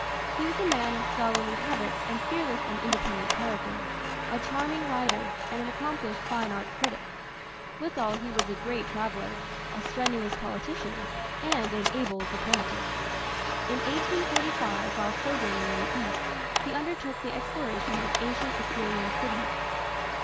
He was a man of scholarly habits and fearless and independent character, a charming writer, and an accomplished fine art critic; withal he was a great traveller, a strenuous politician, and an able diplomatist. In 1845, while sojourning in the East, he undertook the exploration of ancient Assyrian cities.